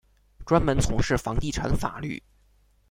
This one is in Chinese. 专门从事房地产法律。